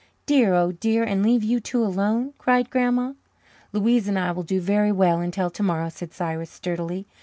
"Dear, oh dear, and leave you two alone!" cried Grandma. "Louise and I will do very well until tomorrow," said Cyrus sturdily.